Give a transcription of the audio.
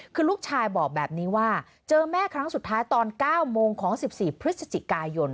คือลูกชายบอกแบบนี้ว่าเจอแม่ครั้งสุดท้ายตอน๙โมงของ๑๔พฤศจิกายน